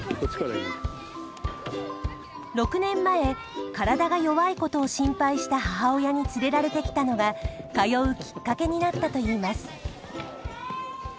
６年前体が弱いことを心配した母親に連れられてきたのが通うきっかけになったといいます。